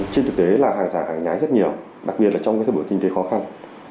trên thực tế là hàng giả hàng nhái rất nhiều đặc biệt là trong cái thế bữa kinh tế khó khăn